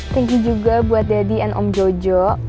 thank you juga buat daddy dan om jojo